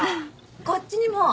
こっちにも！